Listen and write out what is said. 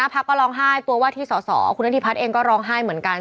เพราะว่าที่สอสอคุณนธิพัฒน์เองก็รองไห้เหมือนกัน